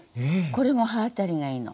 これも歯当たりがいいの。